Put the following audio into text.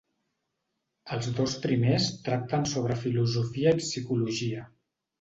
Els dos primers tracten sobre filosofia i psicologia.